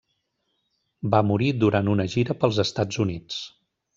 Va morir durant una gira pels Estats Units.